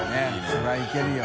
そりゃあいけるよ。